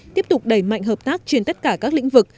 tiếp tục đẩy mạnh hợp tác trên tất cả các lĩnh vực